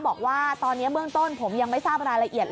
บอกว่าตอนนี้เบื้องต้นผมยังไม่ทราบรายละเอียด